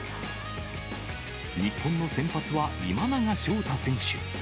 日本の先発は今永昇太選手。